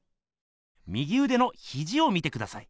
右うでのひじを見てください。